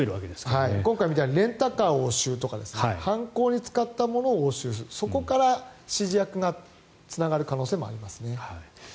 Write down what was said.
今回みたいにレンタカー押収とか犯行に使ったものを押収するそこから指示役がつながる可能性もありますね。